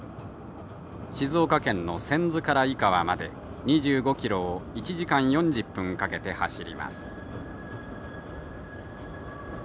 静岡県の千頭から井川まで２５キロを１時間４０分かけて走ります。